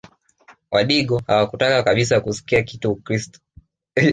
Wadigo hawakutaka kabisa kusikia kitu Ukristo